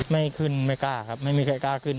ไม่ขึ้นไม่กล้าครับไม่มีใครกล้าขึ้น